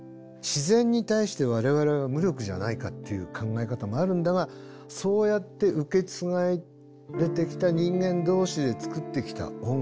自然に対して我々は無力じゃないかっていう考え方もあるんだがそうやって受け継がれてきた人間同士で作ってきた音楽。